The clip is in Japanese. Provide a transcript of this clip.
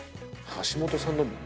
橋本さんの。